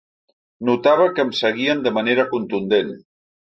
Notava que em seguien de manera contundent.